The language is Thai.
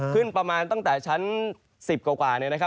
ขึ้นประมาณต้องแต่ชั้นวัน๓๑เฒต